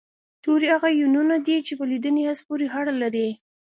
توري هغه يوونونه دي چې په لیدني حس پورې اړه لري